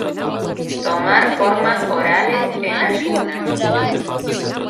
Tomar formas orales en ayunas.